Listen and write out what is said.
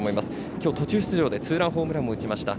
今日、途中出場でツーランホームランも打ちました。